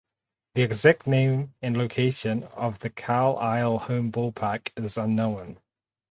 The exact name and location of the Carlisle home ballpark is unknown.